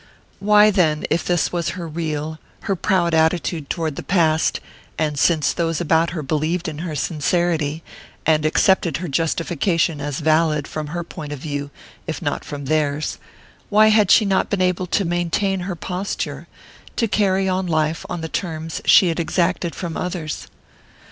Why, then, if this was her real, her proud attitude toward the past and since those about her believed in her sincerity, and accepted her justification as valid from her point of view if not from theirs why had she not been able to maintain her posture, to carry on life on the terms she had exacted from others?